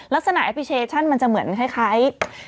แอปพลิเคชันมันจะเหมือนคล้าย